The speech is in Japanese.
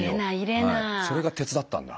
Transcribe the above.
それが鉄だったんだ。